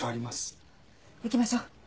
行きましょう。